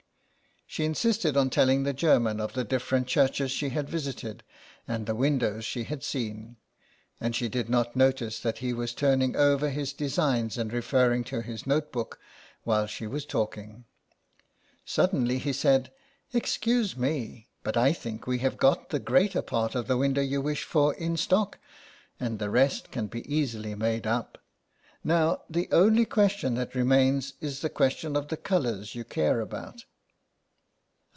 '' She insisted on telling the German of the different churches she had visited, and the windows she had seen, and she did not notice that he was turning over his designs and referring to his note book while she was talking. Suddenly he said :—" Excuse me, but I think we have got the greater part of the window you wish for in stock, and the rest can be easily made up. Now the only question that remains is the question of the colours you care about.''